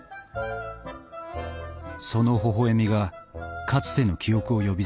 そのほほえみがかつての記憶を呼び覚ました。